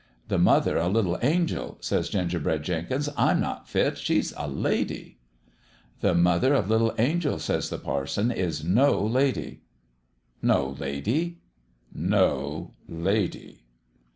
"' The mother o' little Angel 1 ' says Ginger bread Jenkins. ' I'm not fit. She's a lady.' "' The mother o' little Angel,' says the parson, * is no lady.' "' No lady ?'"' No lady.'